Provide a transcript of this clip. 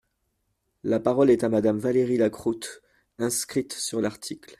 La parole est à Madame Valérie Lacroute, inscrite sur l’article.